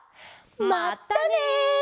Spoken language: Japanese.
まったね！